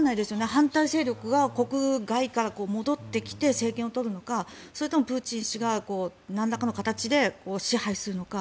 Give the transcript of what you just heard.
反対勢力が国外から戻ってきて政権を取るのかそれともプーチン氏がなんらかの形で支配するのか。